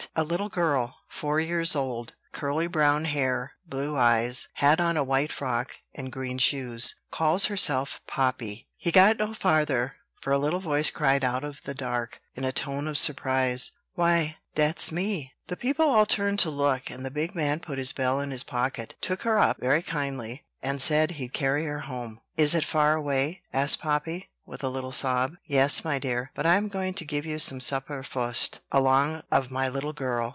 a little girl, four years old; curly brown hair, blue eyes; had on a white frock and green shoes; calls herself Poppy." He got no farther; for a little voice cried out of the dark, in a tone of surprise: "Why, dats me!" The people all turned to look; and the big man put his bell in his pocket, took her up very kindly, and said he'd carry her home. "Is it far away?" asked Poppy, with a little sob. "Yes, my dear; but I am going to give you some supper fust, along of my little girl.